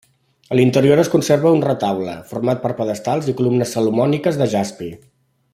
En l'interior es conserva un retaule, format per pedestals i columnes salomòniques de jaspi.